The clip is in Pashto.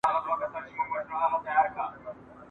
دواړه په یوه اندازه اهمیت لري !.